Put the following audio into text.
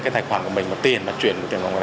cái tài khoản của mình tiền chuyển